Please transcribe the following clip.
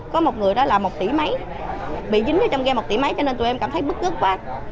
có một người đó là một tỷ mấy bị dính cho trong game một tỷ mấy cho nên tụi em cảm thấy bức ức quá